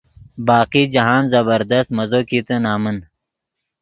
باقی جاہند زبردست مزو کیتے نمن۔